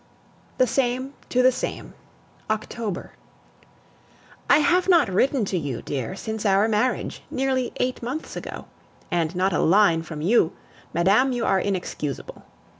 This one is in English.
THE SAME TO THE SAME October. I have not written to you, dear, since our marriage, nearly eight months ago. And not a line from you! Madame, you are inexcusable.